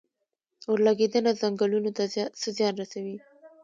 اورلګیدنه ځنګلونو ته څه زیان رسوي؟